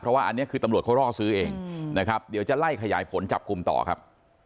เพราะว่าอันนี้คือตำรวจเขาร่อซื้อเองนะครับเดี๋ยวจะไล่ขยายผลจับกลุ่มต่อครับ